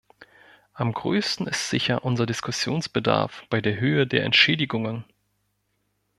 Am größten ist sicher unser Diskussionsbedarf bei der Höhe der Entschädigungen.